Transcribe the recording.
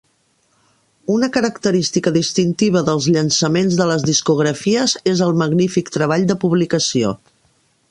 Una característica distintiva dels llançaments de les discografies és el magnífic treball de publicació.